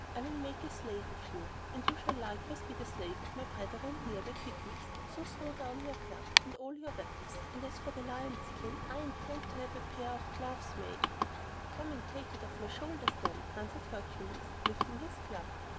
I will make a slave of you, and you shall likewise be the slave of my brethren here, the Pygmies. So throw down your club and your other weapons; and as for that lion's skin, I intend to have a pair of gloves made of it." "Come and take it off my shoulders, then," answered Hercules, lifting his club.